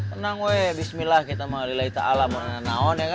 tenang weh bismillah kita mah lillahi ta'ala maha nanaon ya kang